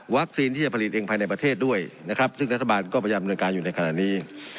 ที่จะผลิตเองภายในประเทศด้วยนะครับซึ่งรัฐบาลก็พยายามดำเนินการอยู่ในขณะนี้